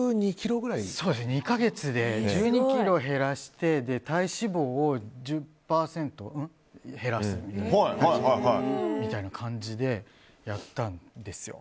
２か月で１２ｋｇ減らして体脂肪を１０％減らすみたいな感じでやったんですよ。